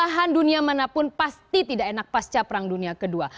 di belahan dunia manapun pasti tidak enak pasca perang dunia kedua